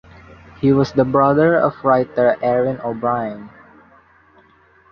He was the brother of writer Erin O'Brien.